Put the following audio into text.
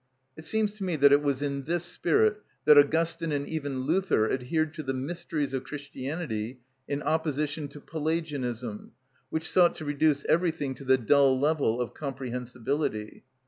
It seems to me that it was in this spirit that Augustine and even Luther adhered to the mysteries of Christianity in opposition to Pelagianism, which sought to reduce everything to the dull level of comprehensibility.